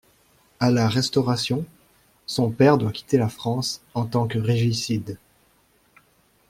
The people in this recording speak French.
À la Restauration, son père doit quitter la France en tant que régicide.